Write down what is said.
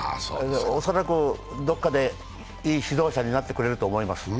恐らくどっかでいい指導者になってくれると思います。